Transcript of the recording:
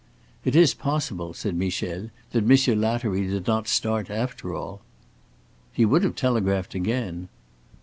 "It is possible," said Michel, "that Monsieur Lattery did not start after all." "He would have telegraphed again."